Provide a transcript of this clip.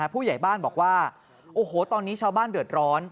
ผู้ใหญ่บ้านบอกว่าโอ้โหตอนนี้ชาวบ้านเดือดร้อน